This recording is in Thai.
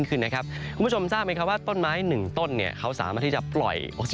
คืนนะครับคุณผู้ชมทราบไหมคะว่าต้นไม้๑ต้นเนี่ยเขาสามารถที่จะปล่อยอดีต